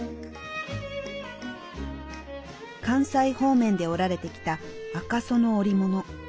関西方面で織られてきた赤苧の織物。